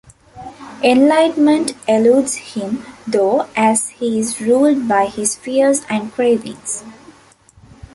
Enlightenment eludes him, though, as he is ruled by his fears and cravings.